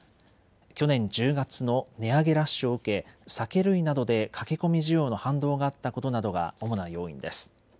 去年１０月の値上げラッシュを受け酒類などで駆け込み需要の反動があったことなどが主な要因です。